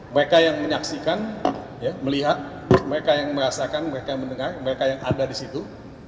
mereka yang menyaksikan melihat mereka yang merasakan mereka yang mendengar mereka yang ada di situ